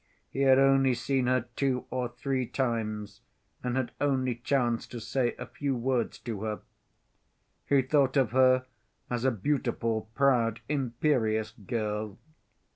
He had only seen her two or three times, and had only chanced to say a few words to her. He thought of her as a beautiful, proud, imperious girl.